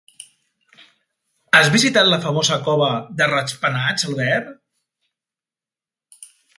Has visitat la famosa cova de ratpenats, Albert?